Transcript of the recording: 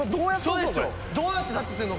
どうやってタッチするの？